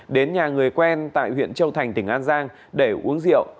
đến nhà người quen tại huyện châu thành tỉnh an giang để uống rượu